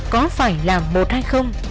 có phải là một hay không